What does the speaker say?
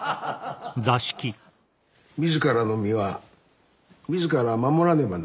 自らの身は自ら守らねばなりません。